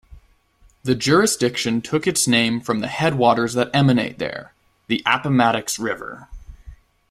The jurisdiction took its name from the headwaters that emanate there, the Appomattox River.